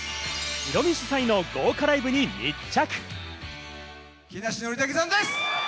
ヒロミ主催の豪華ライブに密着！